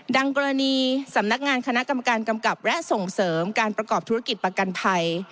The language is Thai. กรณีสำนักงานคณะกรรมการกำกับและส่งเสริมการประกอบธุรกิจประกันภัย